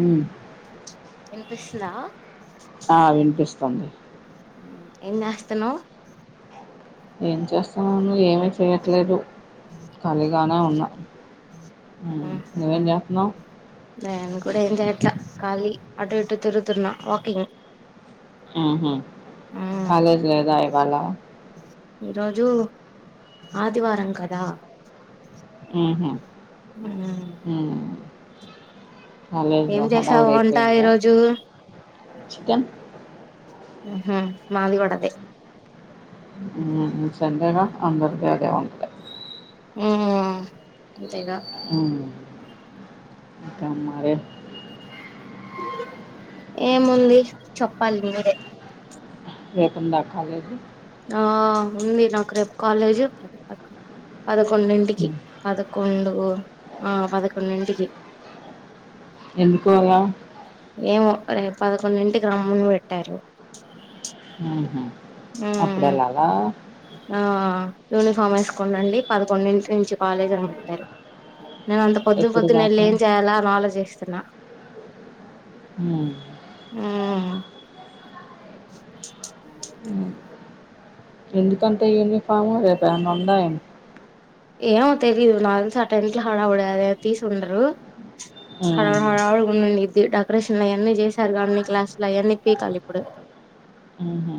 ఉమ్ ఇనిపిస్తుందా ఆ వినిపిస్తోంది ఎం చేస్తాన్నవ్ ఏం చేస్తున్నాను ఏమి చేయట్లేదు ఖాళీగానే ఉన్నా హు హ్మ్. ఉమ్ నువ్వేం జేత్తన్నావు? నేను కూడా ఏం చేయట్లా ఖాళీ అటు ఇటు తిరుగుతున్నా వాకింగ్. హు ఉమ్ కాలేజ్ లేదా ఇవాళ ఈరోజు ఆదివారం కదా ఉ హు ఉ కాలేజీ ఏం లో చేసావు హడావుడి వంట ఐపోయిందా ఈరోజు చికెన్ హు ఉమ్ మాది కూడా ఆదే ఉమ్ సండేగా అందరికీ అదే ఉంటది. ఉ అంతేగా ఉమ్ ఇంకా మరి. ఏముంది చెప్పాలి మీరే రేపు ఉందా కాలేజు ఆ ఉంది నాకు రేపు కాలేజ్ పదకొండింటికి హ్మ్. పదకొండు ఆ పదకొండింటికి ఎందుకూ అలా ఏమో రేపు పదకొండింటికి రమ్మని బేట్టారు. అప్పుడెలాగా ఆ యూనిఫామ్ ఏసుకొన్రండి, పదకొండింటినుంచి కాలేజీ అని బేట్టారు. నేను అంత పొద్దున్ ఎప్పుడు పొద్దున్నే ఎల్లి దాకా? ఏం చేయాలా అని ఆలోచిస్తున్నా హ్మ్ ఆ అ. ఎందుకంట యూనిఫాము రేపేమన్న ఉందా ఏమి? ఏమో తెలీదు నాకు దెల్సీ అటెంట్ల హడవుడది తీసుండరు హల్ హ్మ్. హడావుడి ఉన్నఇది డెకరేషన్ అయన్నీ జేశారుగ అన్ని క్లాస్ లో అయన్నీ పీకాలిప్పుడు హుహు.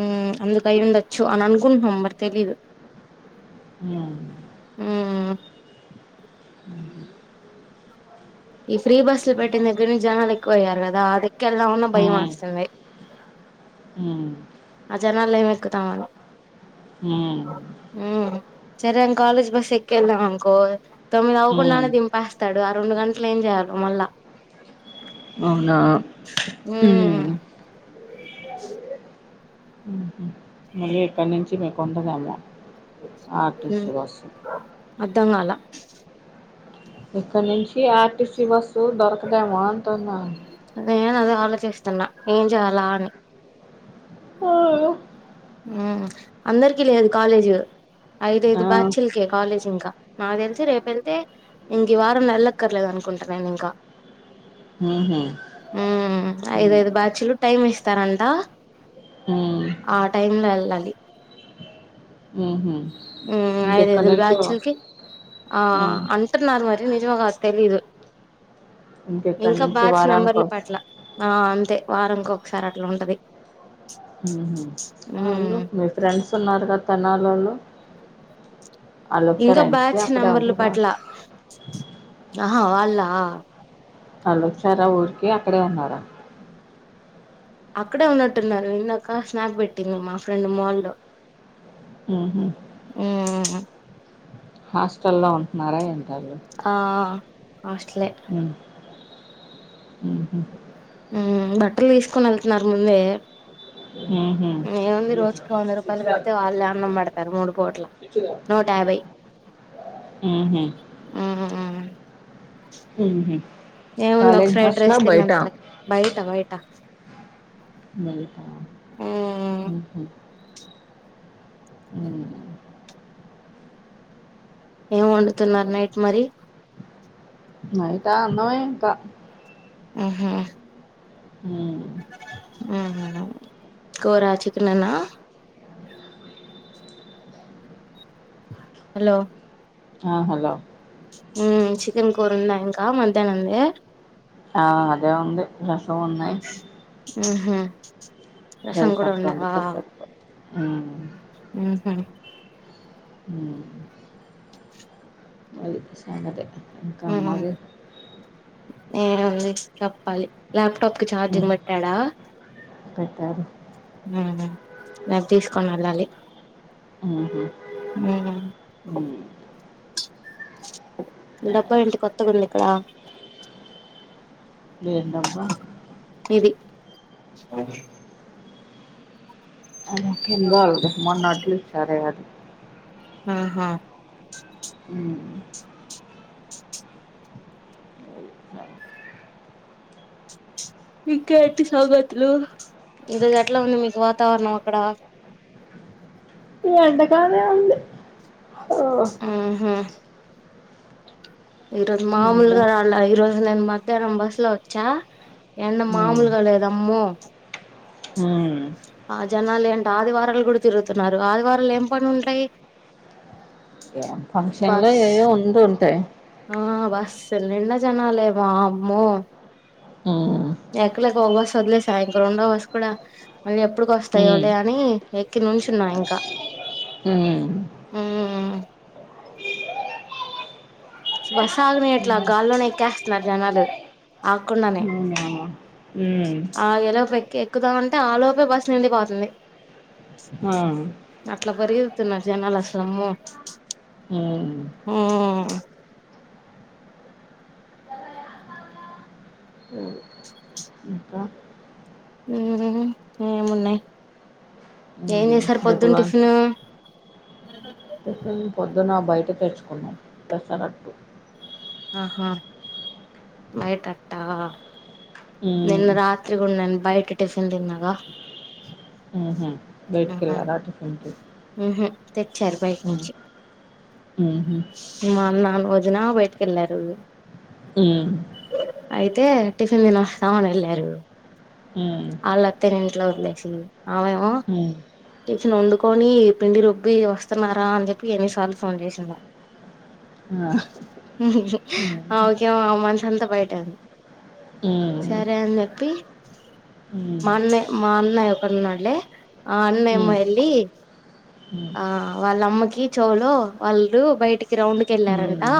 ఉమ్ అందుకయుండొచ్చు అననుకుంటున్నాం బట్ తెలీదు. హ్మ్ ఉమ్ ఉమ్ ఈ ఫ్రీ బస్సు పెట్టిన దగ్గర నుంచి జనాలు ఎక్కువయ్యారు గదా అదెక్కేళ్దామన్నా హ్మ్. భయమేస్తుంది. హ్మ్. ఆ జనాల్ల ఏం ఎక్కుతమని హ్మ్ ఉమ్ సరే అన్ కాలేజ్ బస్ ఎక్కేళ్ళామనుకో తొమ్మిది హ్మ్. అవ్వకుండానే దింపేస్తాడు ఆ రెండు గంటలు ఏం జేయాల్ మళ్ళ అవునా ఉమ్ హ్మ్. హుహు. మళ్ళీ ఇక్కడి నుంచి మీకు ఉండదేమో ఆర్ టీ సి బస్సు ర్థంకాలా ఇక్కడ్నుంచి ఆర్టీసీ బస్సు దొరకదేమో అంటున్నా. నేనదే ఆలోచిస్తున్నా ఏం జేయాలా అని. ఉమ్ అందరికి లేదు కాలేజ్ ఐదైదు బ్యాచిల్కే కాలేజ్ ఇంకా, నాక్ తెలిసి రేపేళ్తే ఇంగివారం ఎల్లక్కర్లేదను అనుకుంట నేనింకా ఉమ్ హు ఐదైదు బ్యాచులు టైం ఇస్తారంట టైమ్ ల వెళ్ళాలి ఉమ్ ఇంకెక్కడి ఐదైదుల్ నుంచి బ్యాచ్చుల్కి ఆ అంటున్నారు మరి నిజమో గాద్ త్తెలీదు ఇంకెక్కడి ఇంక నుంచి బ్యాచ్ వారానికి నంబర్ల ఒకసా కట్ల ఆ అంతే వారంకొకసారి అట్ల ఉంటది వాళ్ళు ఉమ్ మీ ఫ్రెండ్స్ ఉన్నారు గద తెనాలోళ్ళు ఆల్లొచ్చార ఇంకా ఇంటికి బ్యాచ్ అక్కడే ఉన్నారా? అహా వాళ్ళ వాల్లోచ్చారా ఊరికి అక్కడే ఉన్నార? అక్కడే ఉన్నట్టున్నారు ఇందాక స్నాప్ బెట్టింది మా ఫ్రెండ్ మాల్లో ఉమ్ హూ హాస్టల్ల్లో ఉంటున్నారా ఎంద్ ఆ హస్ట్లే ఉమ్ హు హ్ ఉమ్ బట్టలు తీసుకొని ఎళ్తున్నారు ముందే ఊహు ఏముంది రోజుకి వంద రూపాయలు కడితే వాళ్ళు అన్నం పడతారు మూడు పూట్ల నూట యాభై మ్మ్ హ్మ్ ఉమ్ మ్మ్ హ్మ్ ఏం ఉంది ఒక ఫ్రైడ్ రైస్ తిన్నాంత బయట బయట బయటా ఉమ్ మ్మ్ హ్మ్ ఏం వండుతున్నారు నైట్ మరి నైట్ ఆ అన్నమే ఇంకా హ్మ్ మ్మ్ మ్మ్ హ్మ్ కూర చికెన్ ఏనా హలో ఆ హలో మ్మ్ చికెన్ కూర ఉందా ఇంకా మధ్యాహ్నం దే ఆ అదే ఉంది రసం ఉన్నాయి మ్మ్ హ్మ్ రసం రైస్ కూడా ఒకటి ఉందా వండితే సరిపోది మ్మ్ మ్మ్ హ్మ్ మ్మ్ అది సంగతి ఇంకేం మరి ఎం ఉంది చెప్పాలి టప్ కి ఊ ఛార్జింగ్ పెట్టాడా పెట్టారు రేపు తీసుకొని వెళ్ళాలి మ్మ్ హ్మ్ మ్మ్ డబ్బా ఏంటి కొత్తగా ఉంది ఇక్కడ ఏం డబ్బ ఇది అద కింద వాళ్ళది మొన్న అట్లు ఇచ్చారే అది ఆహా హ్మ్. ఇంకేంటి సంగతులు ఈరోజు ఎట్లా ఉంది మీకు వాతావరణం అక్కడ ఈ ఎండ గానే ఉంది ఓ! మ్మ్ హ్మ్ ఈ రోజు ఎండ. మామూలుగా రాలా ఈరోజు నేను మధ్యాహ్నం బస్ లో వచ్చా ఎండా హ్మ్. మామూలుగా లేదు అమ్మో హ్మ్ ఆ జనాలు ఏంటి ఆదివారాలు కూడా తిరుగుతున్నారు ఆదివారాలు ఏం పనిలు ఉంటాయి ఫంక్షన్ లో బస్ ఏవో ఉండి ఉంటాయి ఆ బస్ నిండా జనాలే వామ్మో హ్మ్. ఎక్కలేక ఓ బస్ వదిలేసా ఇంకా రెండో బస్ కూడా మళ్ళీ ఎప్పుడికి హ్మ్. వస్తాయోలే అని ఎక్కి నుంచున్నా ఇంకా హ్మ్. మ్మ్ బస్ ఆగనియ్యట్ల గాల్లోనే ఎక్కేస్తున్నారు జనాలు ఆకుండానే అవునా? హ్మ్. ఆగేలోపు ఎక్ ఎక్కుదామంటే ఆ లోపే బస్సు నిండిపోతుంది ఆ అట్లా పరిగేతున్నారు జనాలు అసల అమ్మో హ్మ్. మ్మ్ సరే. ఇంకా? హ్మ్ ఏమున్నాయి ఏం హ్మ్. చేశారు రేపు పొద్దున్న లంచ్ టిఫిను టిఫిన్ పొద్దున బయట తెచ్చుకున్నాం పెసరట్టు ఆహా బయటట్టా నిన్న హ్మ్. రాత్రి గూడా నేను బయట టిఫిన్ తిన్నగా. హుహు. హ్మ్ హు బయటికెళ్లారా టిఫిన్‌కి? ఉహు తెచ్చారు బయట హ్మ్. నుంచి. హుహు. మా అన్నాను వదిన బయటకి వెళ్ళారు. హ్మ్ అయితే టిఫిన్ తినొస్తామని వెళ్ళారు. హ్మ్. అళ్ల అత్తని ఇంట్లో వదిలేసి ఆవెమో హ్మ్. టిఫిన్ వండుకొని పిండి రుబ్బి వస్తున్నారా అని చెప్పి ఎన్ని సార్లు ఫోన్ చేసిందో. ఆ హ్మ్. ఓకే అ మనిషి అంతా బయటె ఉంది. హ్మ్. సరే అని చెప్పి హ్మ్. మా అన్నె మా అన్నయ్య ఒకరున్నాడులే ఆ అన్న ఎమో హ్మ్. వెళ్ళి హ్మ్. ఆ వాళ్ళమ్మకి చెవులో వాళ్ళ బయటికి రౌండ్కి హ్మ్. వెళ్ళారంట హ్మ్.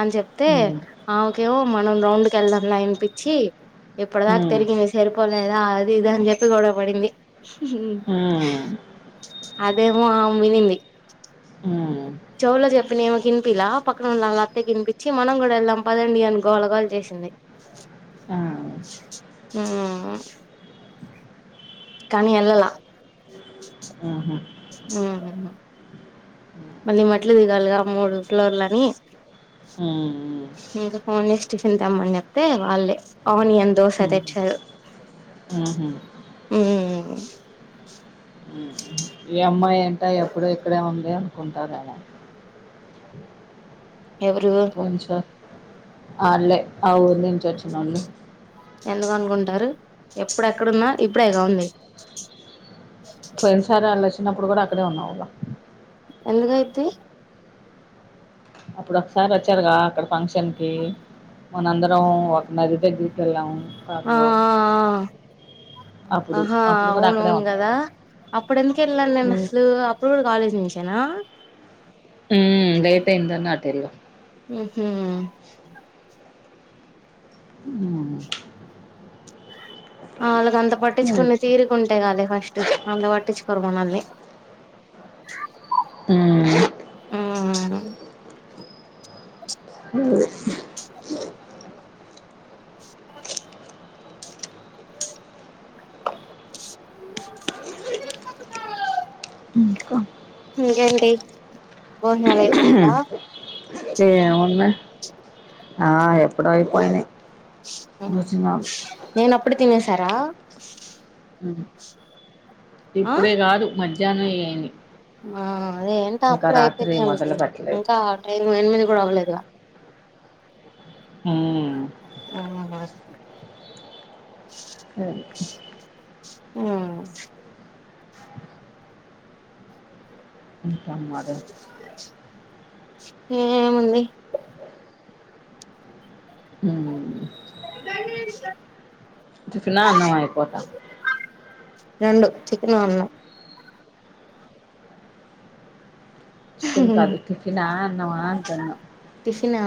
అని చెప్తే హ్మ్. ఆమోకేమో మనం రౌండ్ కి వెళ్దాం ల వినిపిచ్చి ఇప్పుటిదాకా హ్మ్. తిరిగింది సరిపోలేదా అది ఇది అని చెప్పి గొడవ పడింది. అదేమో ఆమె వినింది. హ్మ్. చేవులో చెప్పినయి ఈమెకి వినిపియ్యద పక్కన ఉన్న వల్ల అత్తకి వినిపించి మనం కూడా వెళ్దాం పదండి అని గోళ గోళ చేసింది. ఆ! ఆ కానీ వెళ్లలా ఆహా! హ్మ్ ఉ మళ్ళీ మట్లు దిగాలిగా మూడు ఫ్లోర్లని హ్మ్. ఇంకా ఫోన్ చేసి టిఫిన్ తెమ్మని చెప్తే వాళ్ళే ఆనియన్ దోశ తెచ్చారు. హ్మ్ హు ఉమ్ ఈ అమ్మాయి ఏంట ఎప్పుడు ఇక్కడే ఉంది అనుకుంటార ఆడ. ఎవరు కొంచెం ఆల్లె ఆ ఊరి నుంచి వచ్చినోళ్ళు. ఎందుకు అనుకుంటారు ఎప్పుడెక్కడున్నా ఇప్పుడే కా ఉంది. పోయినసారి వాళ్ళ వచ్చినప్పుడు కూడా అక్కడే ఉన్నావు గా. ఎందుకు అయిద్ది. అప్పుడు ఒకసారి వచ్చారుగా అక్కడ ఫంక్షన్ కి మనందరం ఒక నది దగ్గరికి వెళ్ళాము కార్ ఆ లో. ఆహా కూడా అవున అక్కడే అవును కదా ఉన్నావుగా అప్పుడు ఎందుకు వెళ్ళాను నేను ఉమ్, అసలు అప్పుడు కూడా కాలేజ్ నుంచేనా హ్మ్ లేట్ అయ్యిందని అటెల్లా హ్మ్ హూ ఉమ్, ఆళ్లకు అంత పట్టిచ్ కునే తీరిక్ ఉం వెళ్ళాలి ఫస్ట్ మళ్ళ పట్టిచ్ కోరు మనల్ని. ఉమ్, ఆ ఇంకేంటి భోజనాలు అపోయినయా. ఏముంది ఆ ఎప్పుడో ఆయిపోయినయ్ అవును ఏంట్ అప్పుడే తినేశారా. ఆ ఇప్పుడే కాదు మధ్యాహ్నం అయినయ్. ఆ అదేంట అప్పుడే అయిపోయినా మొదలు అనుకునా పెట్టలేదు ఇంకా టైం ఎనిమిది కూడా అవ్వలేదుగా హ్మ్ అవునా సరే. హ్మ్ ఇంకా మరి ఏముంది ఉమ్, అష టిఫెన్నా అన్నం ఈ పూట రెండు చికెన్ అన్నం. చికెన్ కాదు టిఫినా అన్నమా అంటున్నా ఫినా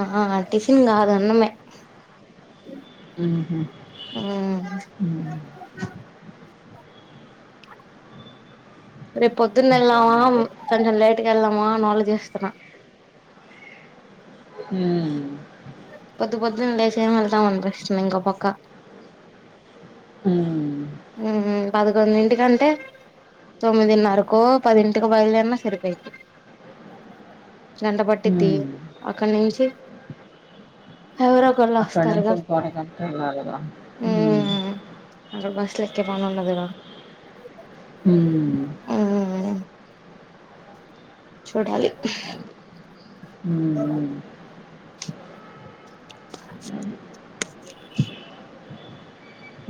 టిఫిన్ కాదు అన్నమే. హ్మ్ హూ హు రేప్ పొద్దున్నలా ఇంకా మరి కొంచం లేట్ వెళ్ళమా న ఆలోచిస్తున్న. హ్మ్. పొద్దు పొద్దున్నే లేసి ఏమెళ్తాం అనిపిస్తుంది ఇంకొ పక్క. హ్మ్. హ్మ్ పదుకొండింటి కంటే తొమ్మిదిన్నరకొ పదింటికొ బయలుదేరిన సరిపోయిద్ది గంట పట్టిద్ది హ్మ్. అక్కడి నుంచి ఎవరొ కలు అక్కడి నుంచి వస్తారుగా ఇంకో అరగంటెళ్ళాలిగా. హ్మ్ అక్కడ్ బస్ క్కే పనుండదుగా హ్మ్ చూడాలి అది. హ్మ్. హ్మ్.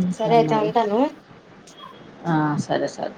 ఇంకా సరే అయితే మరి. ఉంటాను ఆ సరే సర్